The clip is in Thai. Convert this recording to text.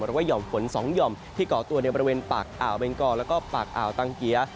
หย่อมฝน๒หย่อมที่ก่อตัวในบริเวณปากอ่าวเบงกอแล้วก็ปากอ่าวตังเกีย